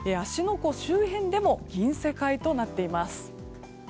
湖周辺でも銀世界となっています。